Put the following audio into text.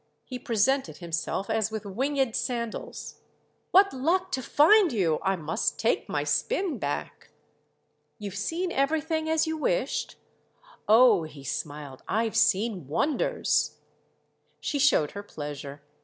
He presented himself as with winged sandals. "What luck to find you! I must take my spin back." "You've seen everything as you wished?" "Oh," he smiled, "I've seen wonders." She showed her pleasure.